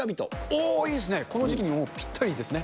おー、いいっすね、この時期にぴったりですね。